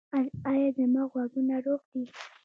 ایا زما غوږونه روغ دي؟